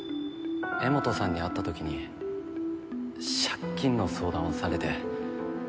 江本さんに会った時に借金の相談をされて。